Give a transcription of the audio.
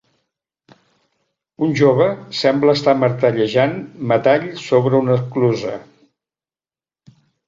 Un jove sembla estar martellejant metall sobre una enclusa.